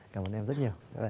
cảm ơn em rất nhiều